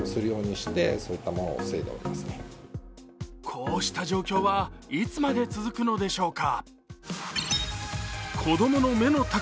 こうした状況は、いつまで続くのでしょうか。